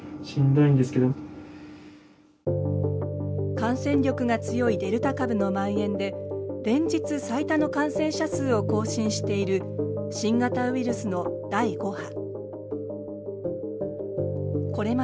感染力が強いデルタ株のまん延で連日最多の感染者数を更新している新型ウイルスの第５波。